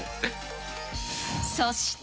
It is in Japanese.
そして。